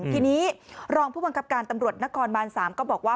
ทีนี้รองผู้บังคับการตำรวจนครบาน๓ก็บอกว่า